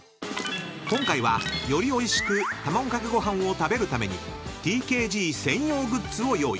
［今回はよりおいしくたまごかけごはんを食べるためにＴＫＧ専用グッズを用意］